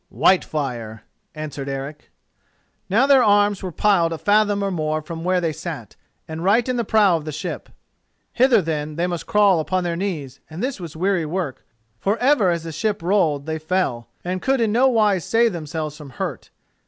"Whitefire," answered Eric. Now, their arms were piled a fathom or more from where they sat, and right in the prow of the ship. Hither, then, they must crawl upon their knees, and this was weary work, for ever as the ship rolled they fell, and could in no wise save themselves from hurt.